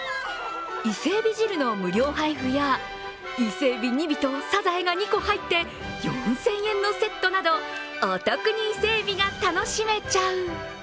伊勢えび汁の無料配布や伊勢えび２尾とサザエが２個入って４０００円のセットなどお得に伊勢えびが楽しめちゃう。